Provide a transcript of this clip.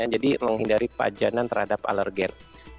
jadi menghindari pajanan terhadap alergen